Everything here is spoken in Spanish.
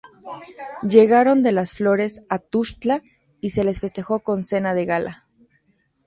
Llegaron de Las Flores, a Tuxtla; y se les festejó con cena de gala.